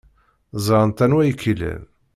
Ẓrant anwa ay k-ilan.